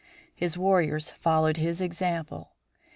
His warriors followed his example.